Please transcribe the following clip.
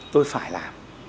tôi phải làm